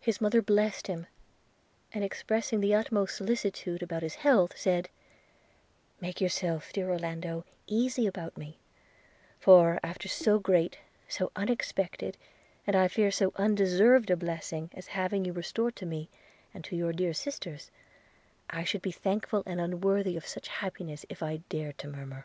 His mother blessed him – and, expressing the utmost solicitude about his health, said – 'Make yourself, dear Orlando, easy about me; for, after so great, so unexpected, and I fear so undeserved a blessing as having you restored to me, and to your dear sisters, I should be thankful and unworthy of such happiness if I dared to murmur.'